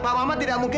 pak maman tidak mungkin